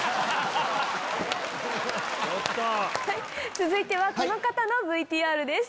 続いてはこの方のＶＴＲです。